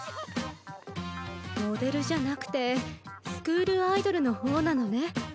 モデルじゃなくてスクールアイドルの方なのね。